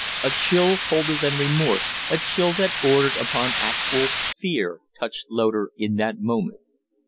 A chill colder than remorse, a chill that bordered upon actual fear, touched Loder in that moment.